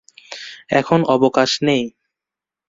এখন অবকাশ নেই।